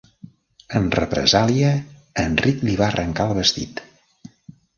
En represàlia, en Rich li va arrencar el vestit.